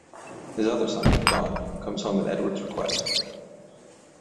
His other son, Don, comes home at Edward's request.